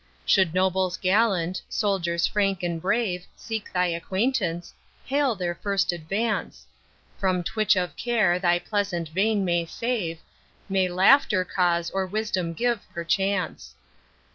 Should nobles gallant, soldiers frank and brave Seek thy acquaintance, hail their first advance: From twitch of care thy pleasant vein may save, May laughter cause or wisdom give perchance.